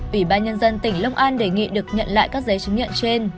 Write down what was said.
ủy ban nhân dân tỉnh long an đề nghị được nhận lại các giấy chứng nhận trên